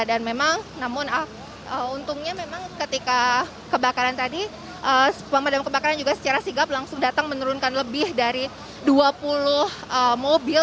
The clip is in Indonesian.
dan memang namun untungnya memang ketika kebakaran tadi pemadam kebakaran juga secara sigap langsung datang menurunkan lebih dari dua puluh mobil